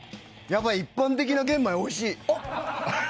やっぱり一般的な玄米はおいしい。